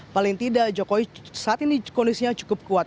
paling tidak jokowi saat ini kondisinya cukup kuat